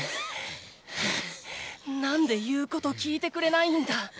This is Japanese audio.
ハァハァなんで言うこと聞いてくれないんだ！